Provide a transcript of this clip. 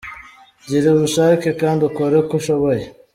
Gira ubushake kandi ukore uko ushoboye.